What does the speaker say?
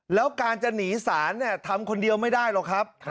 แล้วการจะหนีศาลทำคนเดียวไม่ได้หรอกครับ